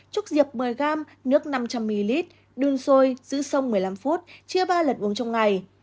trúc diệp một mươi gram nước năm trăm linh ml sôi giữ sông một mươi năm phút chia ba lần uống trong ngày